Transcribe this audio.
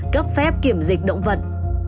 cấp phép kiểm dịch động vật